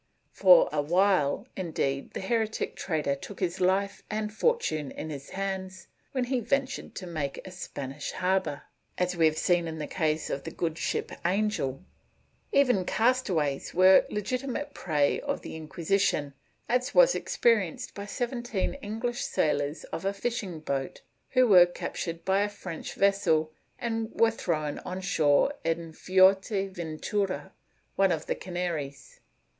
For awhile, indeed, the heretic trader took his life and fortune in his hands when he ventured to make a Spanish harbor, as we have seen in the case of the good ship Angel. Even castaways were the legitimate prey of the Inquisition, as was experienced by seventeen English sailors of a fishing boat, who were captured by a French vessel and were thrown on shore on Fuerte Ventura, one of the Canaries.